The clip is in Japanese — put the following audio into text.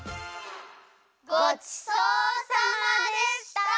ごちそうさまでした！